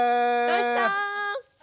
どうした？